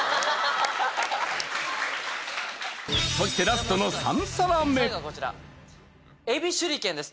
そしてラストのえび手裏剣です